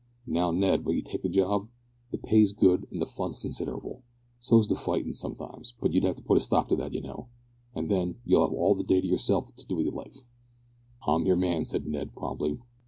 Now, Ned, will you take the job? The pay's good an' the fun's considerable. So's the fightin', sometimes, but you'd put a stop to that you know. An', then, you'll 'ave all the day to yourself to do as you like." "I'm your man," said Ned, promptly.